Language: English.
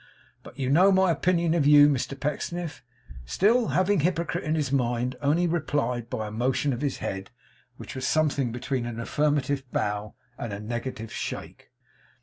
But you know my opinion of you.' Mr Pecksniff, still having 'hypocrite' in his mind, only replied by a motion of his head, which was something between an affirmative bow, and a negative shake.